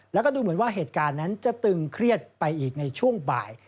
แล้วก็ดูเหมือนว่าเหตุการณ์นั้นจะตึงเครียดไปอีกในช่วงบ่าย